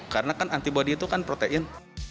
karena kan antibody itu kan protein